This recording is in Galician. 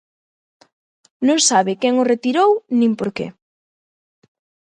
Non sabe quen os retirou nin por que.